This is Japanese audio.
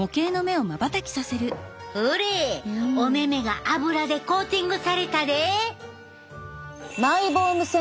ほれお目々がアブラでコーティングされたで！